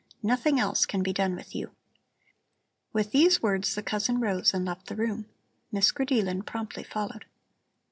Nothing else can be done with you." With these words the cousin rose and left the room. Miss Grideelen promptly followed.